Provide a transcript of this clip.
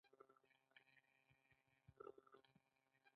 د ویښتو د مینځلو لپاره د ریټې او اوبو ګډول وکاروئ